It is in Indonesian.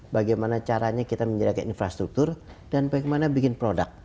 bagaimana caranya kita menjaga infrastruktur dan bagaimana bikin produk